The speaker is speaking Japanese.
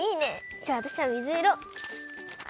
じゃあわたしはみずいろ。